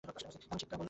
আমি ঠিক বললাম?